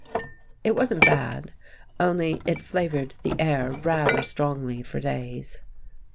It wasn't bad, only it flavoured the air rather strongly for days.